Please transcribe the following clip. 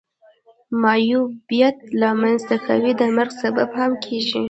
معیوبیت را منځ ته کوي د مرګ سبب هم کیږي.